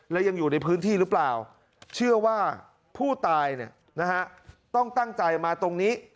และยังอยู่ในพื้นที่หรือเปล่าเชื่อว่าผู้ตายต้องตั้งใจมาตรงนี้